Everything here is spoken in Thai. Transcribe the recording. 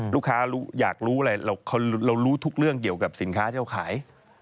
ลูกค้าอยากรู้อะไรเรารู้ทุกเรื่องเกี่ยวกับสินค้าที่เขาขาย